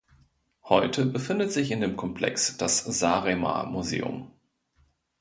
Heute befindet sich in dem Komplex das Saaremaa-Museum.